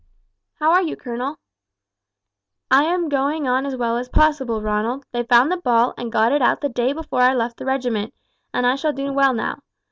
"How are you, colonel?" "I am going on as well as possible, Ronald; they found the ball and got it out the day before I left the regiment, and I shall do well now.